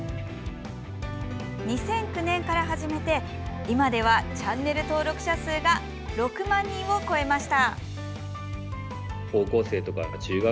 ２００９年から始めて今ではチャンネル登録者数が６万人を超えました。